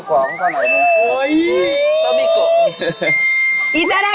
ไม่เหม็นเข้า